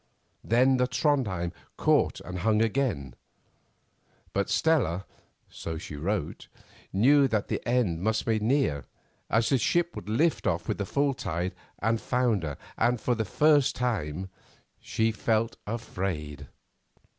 Then the Trondhjem caught and hung again, but Stella, so she wrote, knew that the end must be near, as the ship would lift off with the full tide and founder, and for the first time felt afraid.